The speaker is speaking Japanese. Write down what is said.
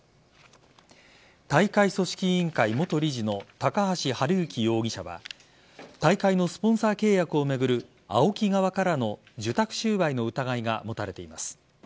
大会組織委員会元理事の高橋治之容疑者は大会のスポンサー契約を巡るＡＯＫＩ側からの受託収賄の疑いが持たれています。